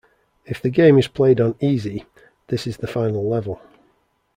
If the game is played on Easy, this is the final level.